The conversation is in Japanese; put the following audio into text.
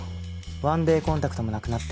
ワンデーコンタクトもなくなってる。